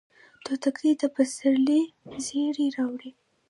توتکۍ د پسرلي زیری راوړي